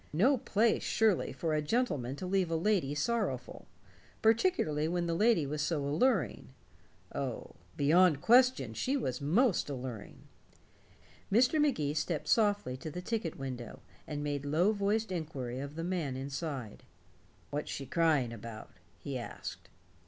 No place, surely, for a gentleman to leave a lady sorrowful, particularly when the lady was so alluring. Oh, beyond question, she was most alluring. Mr. Magee stepped softly to the ticket window and made low voiced inquiry of the man inside. "What's she crying about?" he asked.